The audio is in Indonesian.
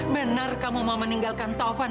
benar kamu mau meninggalkan taufan